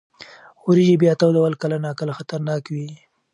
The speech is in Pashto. وریجې بیا تودول کله ناکله خطرناک وي.